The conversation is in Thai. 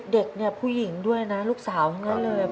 เด็กเนี่ยผู้หญิงด้วยนะลูกสาวทั้งนั้นเลย